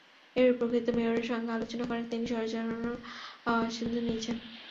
এরই পরিপ্রেক্ষিতে মেয়রের সঙ্গে আলোচনা করে তিনি সরে দাঁড়ানোর সিদ্ধান্ত নিয়েছেন।